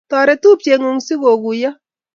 Toret tupchengung si ko guiyo